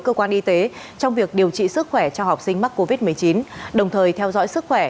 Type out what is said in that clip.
cơ quan y tế trong việc điều trị sức khỏe cho học sinh mắc covid một mươi chín đồng thời theo dõi sức khỏe